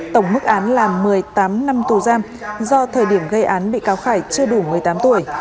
tổng mức án là một mươi tám năm tù giam do thời điểm gây án bị cáo khải chưa đủ một mươi tám tuổi